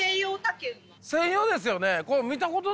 専用ですよね？